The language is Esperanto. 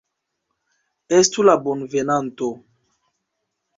Estu la bonvenanto!